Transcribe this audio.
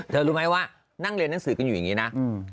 รู้ไหมว่านั่งเรียนหนังสือกันอยู่อย่างนี้นะ